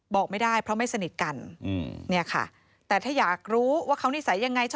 บอกไม่ได้เพราะไม่สนิทกันเนี่ยค่ะแต่ถ้าอยากรู้ว่าเขานิสัยยังไง